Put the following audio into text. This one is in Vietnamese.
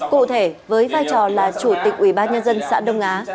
cụ thể với vai trò là chủ tịch ủy ba nhân dân xã đông á